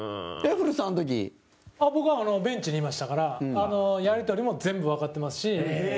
古田：僕はベンチにいましたからやり取りも全部わかってますし。